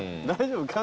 大丈夫？